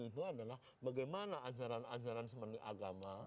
itu adalah bagaimana ajaran ajaran seperti agama